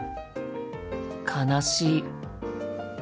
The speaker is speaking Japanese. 悲しい。